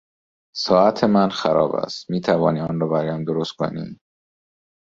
ساعت من خراب است; میتوانی آن را برایم درست کنی؟